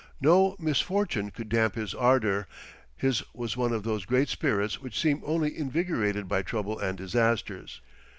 No misfortune could damp his ardour, his was one of those great spirits which seem only invigorated by trouble and disasters.